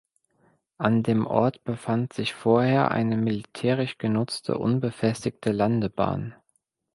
An dem Ort befand sich vorher eine militärisch genutzte unbefestigte Landebahn.